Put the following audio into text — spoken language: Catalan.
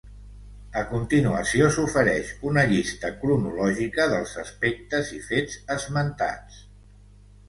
A continuació s’ofereix una llista cronològica dels aspectes i fets esmentats.